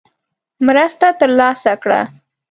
مرسته ترلاسه کړه.